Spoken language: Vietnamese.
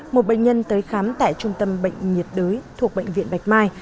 một bệnh nhân tới khám tại trung tâm bệnh nhiệt đới thuộc bệnh viện bạch mai